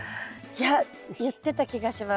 いや言ってた気がします。